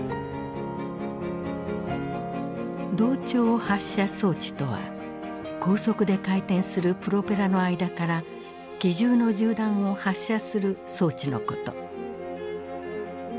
同調発射装置とは高速で回転するプロペラの間から機銃の銃弾を発射する装置のこと。